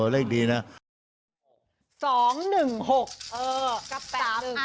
เลขดีเลขดีนะ